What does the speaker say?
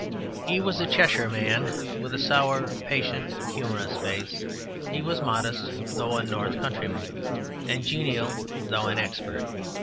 He was a Cheshire man with a sour, patient, and humorous face; he was modest, though a north countryman, and genial, though an expert.